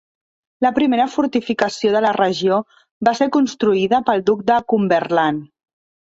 La primera fortificació de la regió va ser construïda pel Duc de Cumberland.